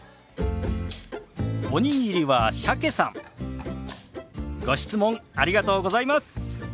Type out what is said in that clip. おにぎりは鮭さんご質問ありがとうございます。